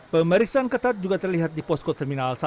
pemeriksaan ketat juga terlihat di pos kota terminal satu